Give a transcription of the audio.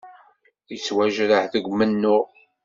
Yettwajreḥ deg umennuɣ.